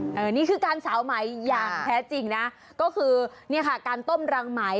อันนี้คือการสาวไหมอย่างแท้จริงนะก็คือเนี่ยค่ะการต้มรังไหม